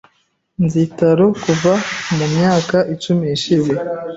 Nzi Taro kuva mu myaka icumi ishize .